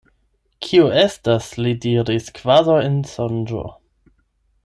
Kio estas? li diris kvazaŭ en sonĝo.